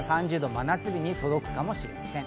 真夏日に届くかもしれません。